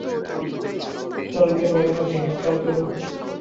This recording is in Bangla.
চল বেরো এনথে, চল বেরো।